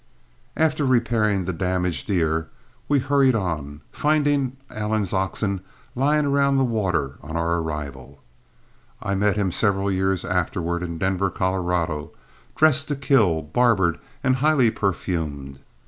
After repairing the damaged ear, we hurried on, finding Allen's oxen lying around the water on our arrival. I met him several years afterward in Denver, Colorado, dressed to kill, barbered, and highly perfumed.